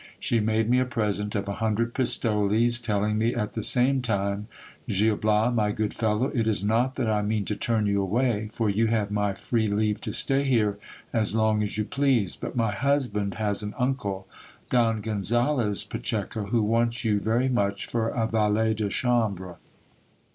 She made me a present of a hundred pistoles, telling me at the same time — Gil Bias, my good fellow, it is not that I mean to tarn you away, for you have my free leave to stay here as long as you please ; but my husband has an uncle, Don Gonzales Pacheco, who wants you very much for a valet de chambre.